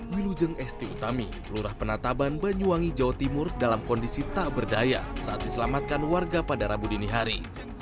wilujeng esti utami lurah penataban banyuwangi jawa timur dalam kondisi tak berdaya saat diselamatkan warga pada rabu dini hari